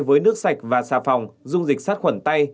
với nước sạch và xà phòng dung dịch sát khuẩn tay